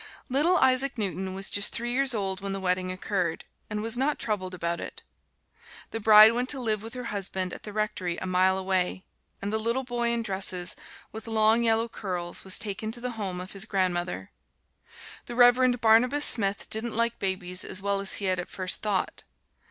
Little Isaac Newton was just three years old when the wedding occurred, and was not troubled about it. The bride went to live with her husband at the rectory, a mile away, and the little boy in dresses, with long yellow curls, was taken to the home of his grandmother. The Reverend Barnabas Smith didn't like babies as well as he had at first thought.